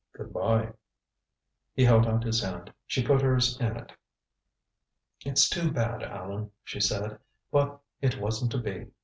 Good by." He held out his hand. She put hers in it. "It's too bad, Allan," she said. "But it wasn't to be.